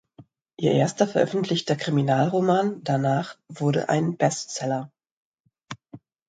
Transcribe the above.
Ihr erster veröffentlichter Kriminalroman "Danach" wurde ein Bestseller.